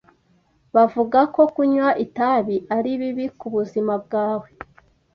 Bavuga ko kunywa itabi ari bibi kubuzima bwawe.